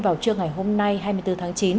vào trưa ngày hôm nay hai mươi bốn tháng chín